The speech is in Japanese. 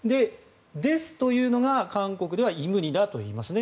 「です」というのが韓国ではイムニダといいますね。